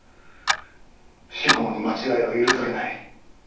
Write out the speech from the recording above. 司法に間違いは許されない。